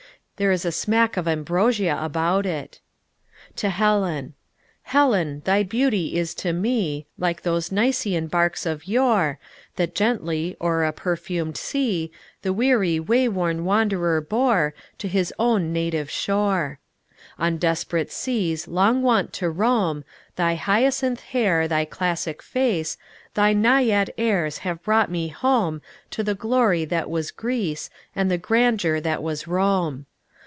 There is a smack of ambrosia about it. TO HELEN Helen, thy beauty is to me Like those Nicean barks of yore, That gently, o'er a perfumed sea, The weary, way worn wanderer bore To his own native shore. On desperate seas long wont to roam, Thy hyacinth hair, thy classic face, Thy Naiad airs have brought me home To the glory that was Greece And the grandeur that was Rome.